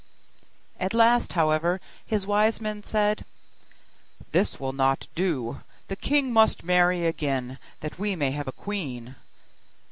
At last, however, his wise men said, 'this will not do; the king must marry again, that we may have a queen.